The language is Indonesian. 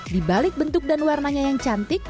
di balik bentuk dan warnanya yang cantik